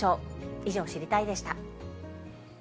以上、知りたいッ！でした。